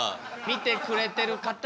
見てくれてる方に。